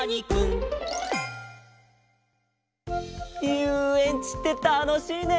ゆうえんちってたのしいね！